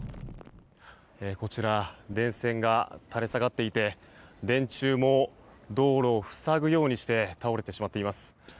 電線が垂れ下がっていて電柱も道路を塞ぐようにして倒れてしまっています。